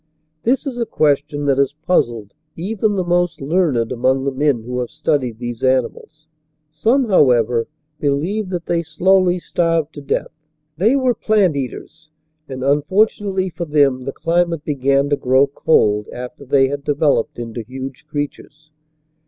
This is a ques tion that has puzzled even the most learned among the men who have studied these animals. Some, however, believe that they slowly starved to death. They were plant eaters, and unfortunately for them the climate began to grow cold after they had de veloped into huge creatures.